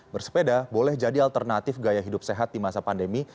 bersepeda boleh jadi alternatif gaya hidup sehat di masa pandemi